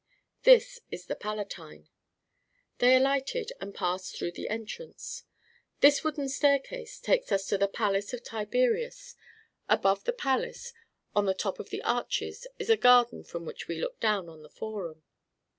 "This is the Palatine." They alighted and passed through the entrance. "This wooden staircase takes us to the Palace of Tiberius. Above the palace, on the top of the arches, is a garden from which we look down on the Forum."